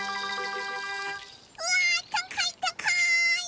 うわたかいたかい！